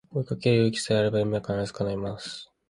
追いかける勇気さえあれば夢は必ず叶います